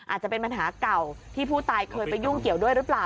อาจจะเป็นปัญหาเก่าที่ผู้ตายเคยไปยุ่งเกี่ยวด้วยหรือเปล่า